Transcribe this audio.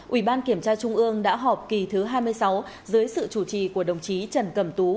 ủy ban kiểm tra trung ương đã họp kỳ thứ hai mươi sáu dưới sự chủ trì của đồng chí trần cẩm tú